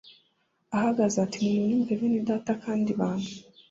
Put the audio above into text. ahagaze ati Nimunyumve bene data kandi bantu